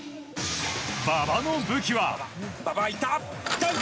馬場の武器は。